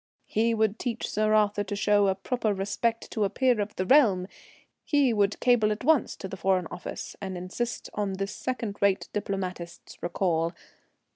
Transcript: He would teach Sir Arthur to show proper respect to a peer of the realm; he would cable at once to the Foreign Office and insist on this second rate diplomatist's recall.